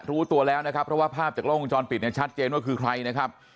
รู้ตัวแล้วนะครับเพราะว่าภาพจากล้องวงจรปิดเนี่ยชัดเจนว่าคือใครนะครับ